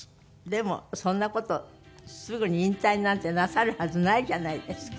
でもそんな事すぐに引退なんてなさるはずないじゃないですか。